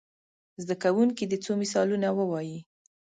زده کوونکي دې څو مثالونه ووايي.